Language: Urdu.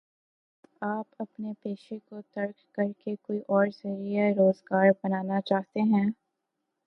اپنے پیشے کو ترک کر کے کوئی اور ذریعہ روزگار بنانا چاہتے ہیں؟